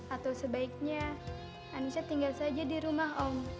atau sebaiknya anissa tinggal saja di rumah om